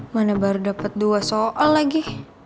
mana baru dapat dua soal lagi